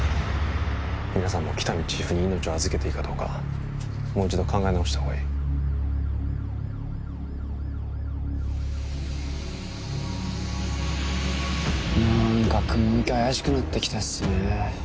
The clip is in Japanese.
皆さんも喜多見チーフに命を預けていいかどうかもう一度考え直した方がいいなーんか雲行き怪しくなってきたっすね